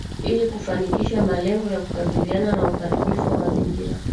ili kufanikisha malengo ya kukabiliana na uharibifu wa mazingira